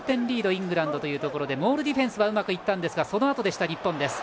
イングランドというところでモールディフェンスはうまくいきましたがそのあとでした、日本です。